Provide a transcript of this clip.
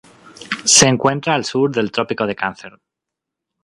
Se encuentra al sur del Trópico de Cáncer.